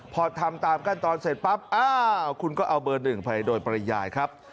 พอทำตามขั้นตอนเสร็จปั๊บอ้าวคุณก็เอาเบอร์หนึ่งไปโดยปริยายครับ